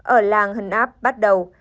ở làng hờn áp bắt đầu